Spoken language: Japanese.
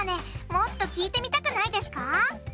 もっと聞いてみたくないですか？